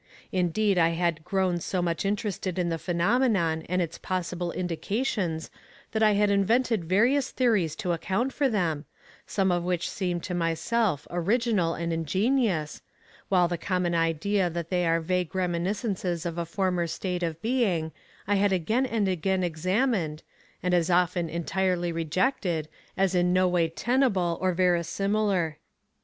Indeed, I had grown so much interested in the phenomenon and its possible indications that I had invented various theories to account for them, some of which seemed to myself original and ingenious, while the common idea that they are vague reminiscences of a former state of being, I had again and again examined, and as often entirely rejected, as in no way tenable or verisimilar.